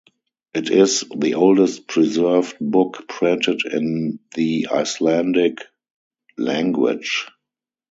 It is the oldest preserved book printed in the Icelandic language.